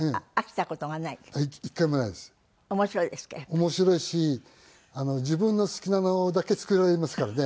面白いし自分の好きなのだけ作れますからね。